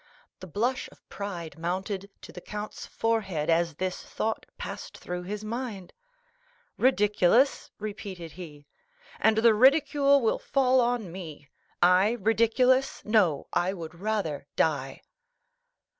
The blush of pride mounted to the count's forehead as this thought passed through his mind. "Ridiculous?" repeated he; "and the ridicule will fall on me. I ridiculous? No, I would rather die."